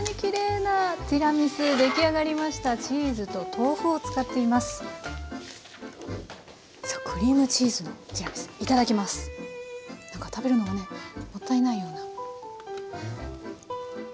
なんか食べるのがねもったいないような。